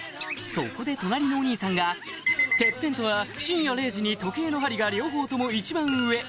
そこで隣のお兄さんが「テッペンとは深夜０時に時計の針が両方とも一番上」